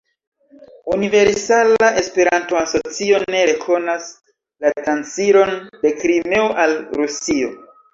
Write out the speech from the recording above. Universala Esperanto-Asocio ne rekonas la transiron de Krimeo al Rusio.